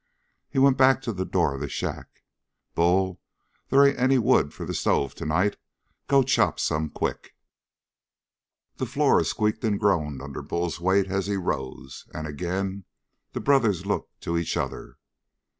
He went back to the door of the shack. "Bull, they ain't any wood for the stove tonight. Go chop some quick." The floor squeaked and groaned under Bull's weight as he rose, and again the brothers looked to each other.